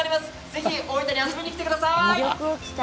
ぜひ大分に遊びにきてください。